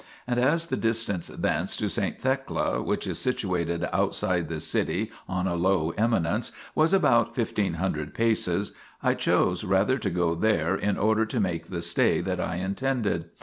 And as the distance thence to saint Thecla, which is situated outside the city on a low eminence, was about fifteen hundred paces, I chose rather to go there in order to make the stay that I intended.